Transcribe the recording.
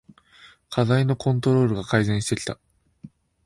課題のコントロールが改善してきた